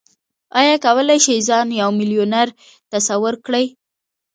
ايا کولای شئ ځان يو ميليونر تصور کړئ؟